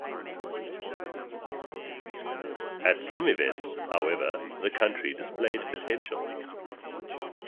At some events, however, the country displayed potential.